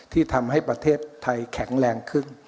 ที่ทำให้ประเทศไทยแข็งแรงขึ้น